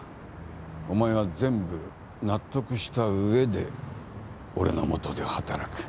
お前は全部納得したうえで俺の下で働く。